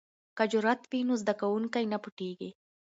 که جرئت وي نو زده کوونکی نه پټیږي.